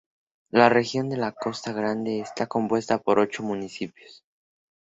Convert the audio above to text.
La región de la Costa Grande está compuesta por ocho municipios.